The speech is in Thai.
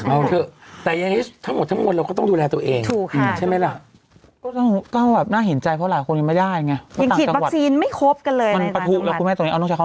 โอเคแต่ยังไงทั้งหมดทั้งหมดเราก็ต้องดูแลตัวเอง